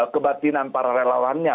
kebatinan para relawannya